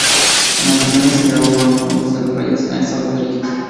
En ocasiones, se grababan los nombres de los reyes en estos ladrillos.